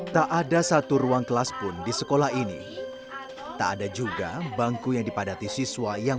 tak ada satu ruang kelas pun di sekolah ini tak ada juga bangku yang dipadati siswa yang